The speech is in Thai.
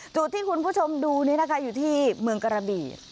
จุดที่คุณผู้ชมดูนี้นะคะอยู่ที่เมืองกระบี่